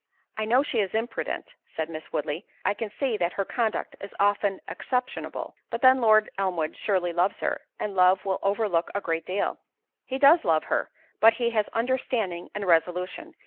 "I know she is imprudent," said Miss Woodley—"I can see that her conduct is often exceptionable—but then Lord Elmwood surely loves her, and love will overlook a great deal." "He does love her—but he has understanding and resolution.